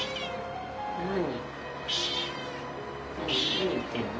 何言ってんの？